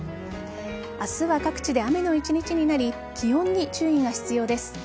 明日は各地で雨の一日になり気温に注意が必要です。